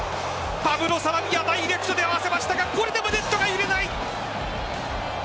ダイレクトで合わせましたがこれでもネットが揺れない。